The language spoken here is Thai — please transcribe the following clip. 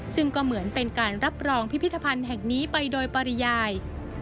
ซึ่งก็เหมือนเป็นการรับรองพิพิธภัณฑ์แห่งนี้ไปโดยปริยาย